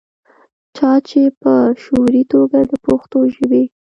چا چې پۀ شعوري توګه دَپښتو ژبې